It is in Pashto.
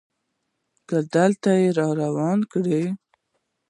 که دلته يي رانه کړ